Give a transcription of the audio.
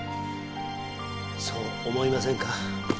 そう思いませんか？